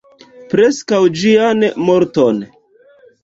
Preskaŭ ĝian morton.